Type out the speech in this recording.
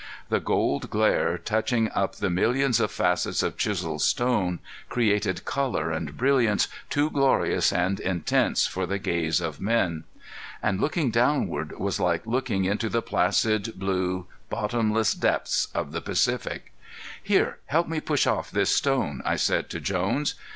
The gold glare touching up the millions of facets of chiseled stone, created color and brilliance too glorious and intense for the gaze of men. And looking downward was like looking into the placid, blue, bottomless depths of the Pacific. "Here, help me push off this stone," I said to Jones.